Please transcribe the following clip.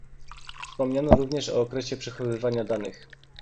Wspominano również o okresie przechowywania danych